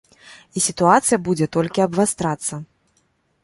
І сітуацыя будзе толькі абвастрацца.